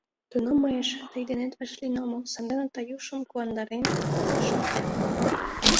Тунам мый эше тый денет вашлийын омыл, сандене Таюшым куандарен шым керт.